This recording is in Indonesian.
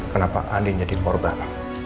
kenapa andin jadi korban